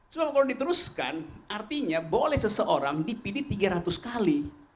sebab kalau diteruskan artinya boleh seseorang dipilih tiga ratus kali